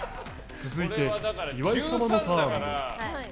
続いて、岩井様のターンです。